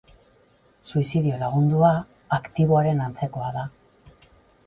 Suizidio lagundua aktiboaren antzekoa da.